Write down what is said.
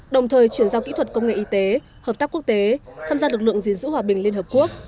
đồng thời chuyển giao kỹ thuật công nghệ y tế hợp tác quốc tế tham gia lực lượng gìn giữ hòa bình liên hợp quốc